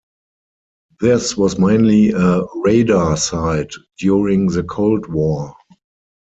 This was mainly a radar site during the Cold War.